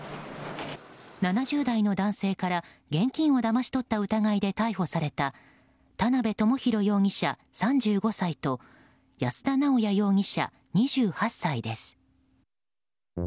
７０代の男性から現金をだまし取った疑いで逮捕された田辺智祐容疑者、３５歳と安田直弥容疑者、２８歳です。